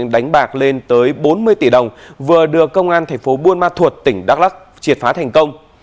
đánh bạc lên tới bốn mươi tỷ đồng vừa được công an thành phố buôn ma thuột tỉnh đắk lắc triệt phá thành công